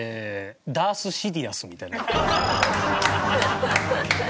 ダース・シディアスみたいな。